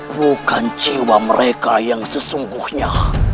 bukan jiwa mereka yang sesungguhnya